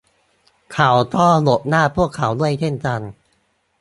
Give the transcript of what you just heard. เขาก็หลบหน้าพวกเขาด้วยเช่นกัน